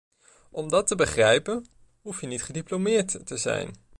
Om dat te begrijpen, hoef je niet gediplomeerd te zijn.